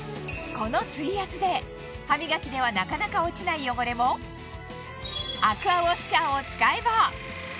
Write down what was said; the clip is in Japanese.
この水圧で歯磨きではなかなか落ちない汚れも、アクアウォッシャーを使えば。